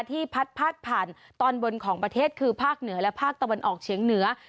พัดพาดผ่านตอนบนของประเทศคือภาคเหนือและภาคตะวันออกเฉียงเหนือ